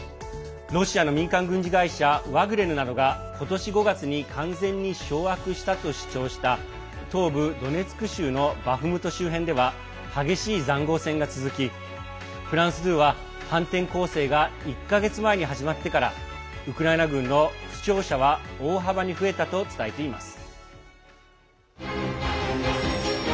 ロシアの民間軍事会社ワグネルなどが今年５月に完全に掌握したと主張した東部ドネツク州のバフムト周辺では激しいざんごう戦が続きフランス２は反転攻勢が１か月前に始まってからウクライナ軍の死傷者は大幅に増えたと伝えています。